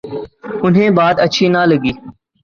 انہیں بات اچھی نہ لگی۔